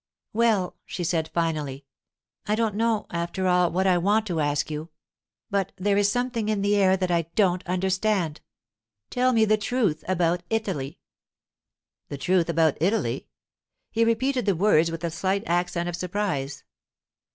'Well,' she said finally, 'I don't know, after all, what I want to ask you; but there is something in the air that I don't understand. Tell me the truth about Italy.' 'The truth about Italy?' He repeated the words with a slight accent of surprise.